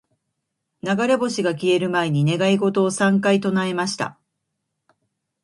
•流れ星が消える前に、願い事を三回唱えました。